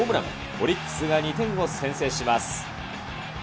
オリックスが２点を先制します。